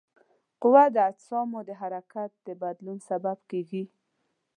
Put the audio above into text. قوه د اجسامو د حرکت د بدلون سبب کیږي.